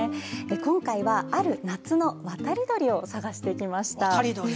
今回は、ある夏の渡り鳥を探してきました。